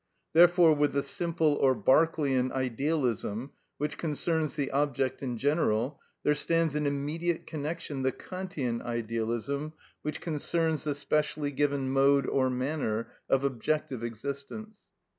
Therefore with the simple or Berkeleian idealism, which concerns the object in general, there stands in immediate connection the Kantian idealism, which concerns the specially given mode or manner of objective existence.